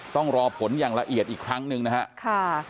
ต้องรอผลอย่างละเอียดอีกครั้งหนึ่งนะครับ